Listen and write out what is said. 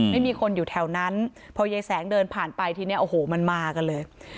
ไม่มีคนอยู่แถวนั้นพอยายแสงเดินผ่านไปทีนี้โอ้โหมันมากันเลย